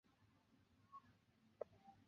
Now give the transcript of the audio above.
浪冈站管辖的铁路车站。